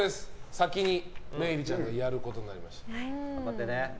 先に萌衣里ちゃんがやることになりました。